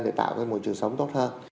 để tạo ra một môi trường sống tốt hơn